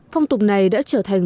phong tục này đã trở thành